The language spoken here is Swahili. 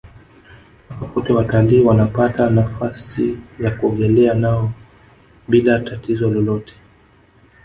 papa pote watalii wanapata nafasi ya kuogelea nao bila tatizo lolote